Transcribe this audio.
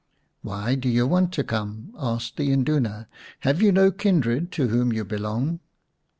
" Why do you want to come?" asked the Induna. " Have you no kindred to whom you belong